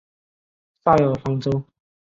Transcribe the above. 塞尔方丹。